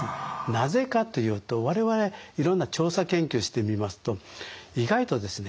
なぜかというと我々いろんな調査研究してみますと意外とですね